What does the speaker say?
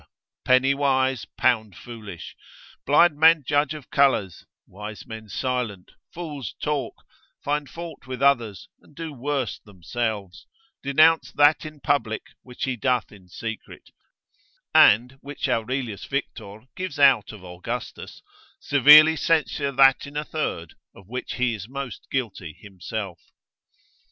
Penny wise, pound foolish; blind men judge of colours; wise men silent, fools talk; find fault with others, and do worse themselves; denounce that in public which he doth in secret; and which Aurelius Victor gives out of Augustus, severely censure that in a third, of which he is most guilty himself.